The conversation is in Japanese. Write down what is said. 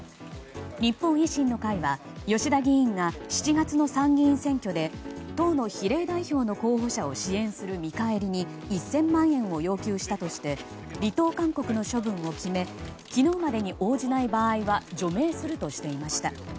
日本維新の会は吉田議員が７月の参議院選挙で党の比例代表の候補者を支援する見返りに１０００万円を要求したとして離党勧告の処分を決め昨日までに応じない場合は除名するとしていました。